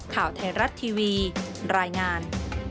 ข่าวไทยรัฐทีวีรายงาน